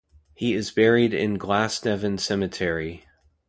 He is buried in Glasnevin Cemetery.